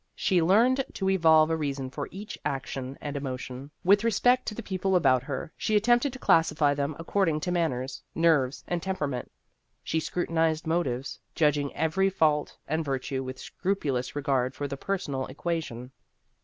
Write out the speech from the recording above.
She learned to evolve a reason for each action and emotion. With respect to the people about her, she attempted to classify them according to manners, nerves, and temperament. She scrutinized motives, judging every fault and virtue with scrupulous regard for the personal equation.